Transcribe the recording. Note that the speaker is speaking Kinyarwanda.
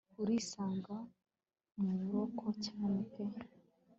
urisanga muburoko cyane pe